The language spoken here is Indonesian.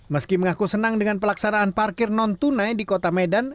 meski mengaku senang dengan pelaksanaan parkir non tunai di kota medan